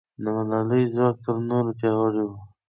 د ملالۍ ځواک تر نورو پیاوړی و.